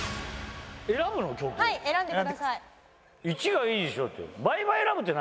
１がいいでしょだって。